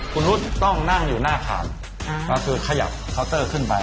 คุณนุษย์ต้องนั่งอยู่หน้าขานก็คือขยับเคาน์เตอร์ขึ้นไป